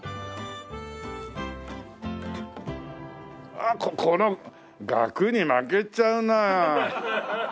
あっこの額に負けちゃうな。